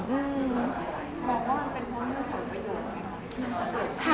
มองว่ามันเป็นเรื่องผลประโยชน์ไหม